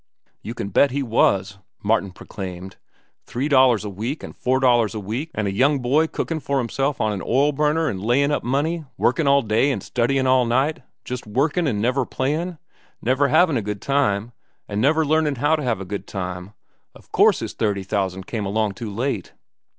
"You can bet he was," Martin proclaimed. "Three dollars a week, an' four dollars a week, an' a young boy cookin' for himself on an oil burner an' layin' up money, workin' all day an' studyin' all night, just workin' an' never playin', never havin' a good time, an' never learnin' how to have a good time—of course his thirty thousand came along too late."